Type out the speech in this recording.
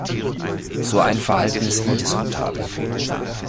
So ein Verhalten ist indiskutabel.